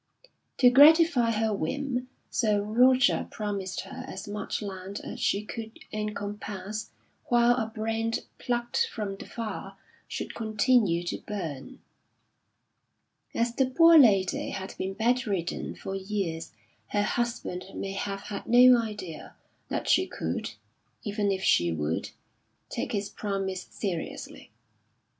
To gratify her whim Sir Roger promised her as much land as she could encompass while a brand plucked from the fire should continue to burn. As the poor lady had been bedridden for years her husband may have had no idea that she could, even if she would, take his promise seriously.